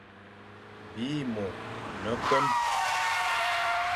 Bî môr ne-kwém.